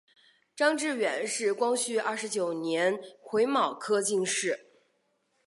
张智远是光绪二十九年癸卯科进士。